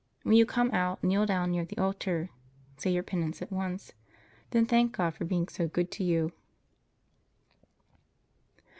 When you come out, kneel down near the altar. Say your penance at once. Then thank God for being so good to you.